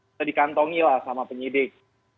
sudah dikantongi lah sama penyidik